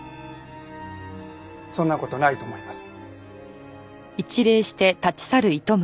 そんな事ないと思います。